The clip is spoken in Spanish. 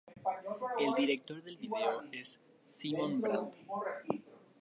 El director del video es Simon Brand.